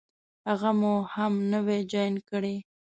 هغه مو هم نوي جان کړې.